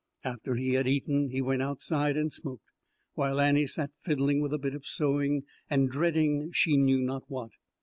After he had eaten he went outside and smoked, while Annie sat fiddling with a bit of sewing and dreading she knew not what.